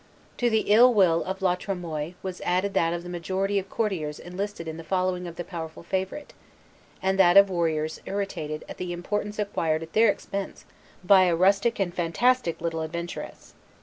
To the ill will of La Tremoille was added that of the majority of courtiers enlisted in the following of the powerful favorite, and that of warriors irritated at the importance acquired at their expense by a rustic and fantastic little adventuress.